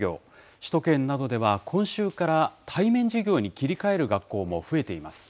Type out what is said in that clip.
首都圏などでは、今週から対面授業に切り替える学校も増えています。